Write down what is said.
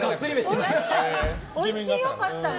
おいしいよ、パスタも。